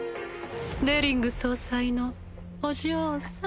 デリング総裁のお嬢さん。